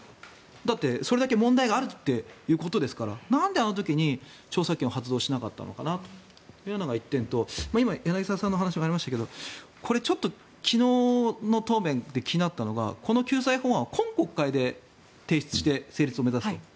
だって、それだけ問題があるということですからなんであの時に調査権を発動しなかったのかというのが１点と今、柳澤さんのお話にもありましたけどこれ、ちょっと昨日の答弁で気になったのがこの救済法案、今国会で提出して成立を目指すと。